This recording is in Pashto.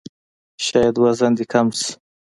شاید وزن دې کم شي!